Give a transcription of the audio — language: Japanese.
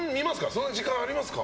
そんな時間ありますか？